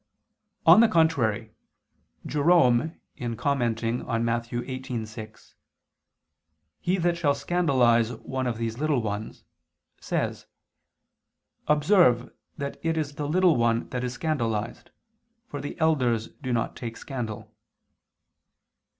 On the contrary, Jerome, in commenting on Matt. 18:6, "He that shall scandalize one of these little ones," says: "Observe that it is the little one that is scandalized, for the elders do not take scandal."